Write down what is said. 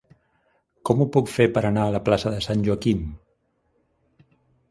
Com ho puc fer per anar a la plaça de Sant Joaquim?